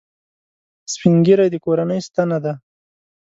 سپین ږیری د کورنۍ ستنه ده